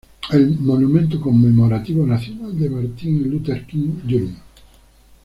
El Monumento Conmemorativo Nacional de Martin Luther King, Jr.